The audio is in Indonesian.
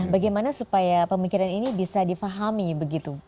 bagaimana supaya pemikiran ini bisa difahami begitu